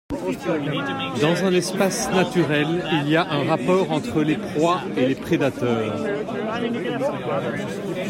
Dans un espace naturel, il y a un rapport entre les proies et les prédateurs.